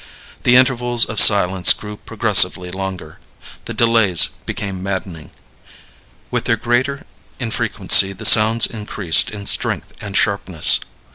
The intervals of silence grew progressively longer; the delays became maddening. With their greater infrequency the sounds increased in strength and sharpness.